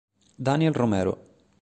Daniel Romero